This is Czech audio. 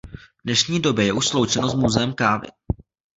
V dnešní době je už sloučeno s muzeem kávy.